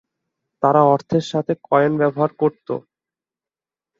তারা অর্থের সাথে কয়েন ব্যবহার করতো।